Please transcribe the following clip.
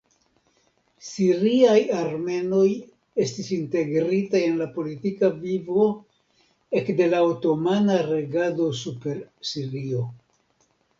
Siriaj armenoj estis integritaj en la politika vivo ekde la otomana regado super Sirio.